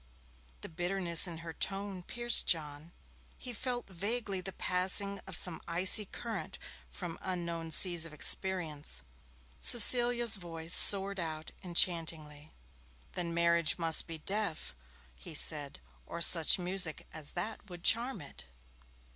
The bitterness in her tone pierced John. He felt vaguely the passing of some icy current from unknown seas of experience. Cecilia's voice soared out enchantingly. 'Then, marriage must be deaf,' he said, 'or such music as that would charm it.'